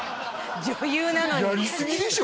女優なのにやりすぎでしょ